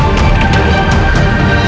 umur umur panggilan bintang dan veerah hari ini